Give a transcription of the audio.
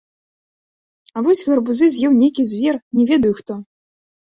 А вось гарбузы з'еў нейкі звер, не ведаю хто.